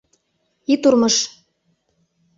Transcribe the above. Ит урмыж!